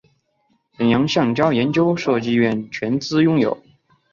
沈阳橡胶研究设计院全资拥有。